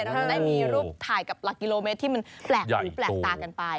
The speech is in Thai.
เราจะได้มีรูปถ่ายกับหลักกิโลเมตรที่มันแปลกหูแปลกตากันไป